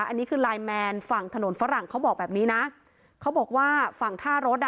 อันนี้คือไลน์แมนฝั่งถนนฝรั่งเขาบอกแบบนี้นะเขาบอกว่าฝั่งท่ารถอ่ะ